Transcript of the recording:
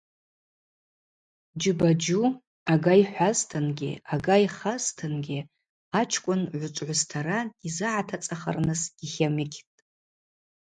Джьыба-Джьу, ага йхӏвазтынгьи, ага йхазтынгьи, ачкӏвын гӏвычӏвгӏвыс тара дизыгӏатацӏахырныс гьитламыкӏьтӏ.